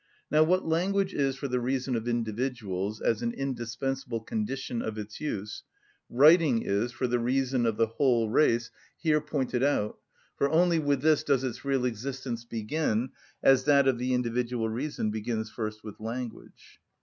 Now, what language is for the reason of individuals, as an indispensable condition of its use, writing is for the reason of the whole race here pointed out; for only with this does its real existence begin, as that of the individual reason begins first with language.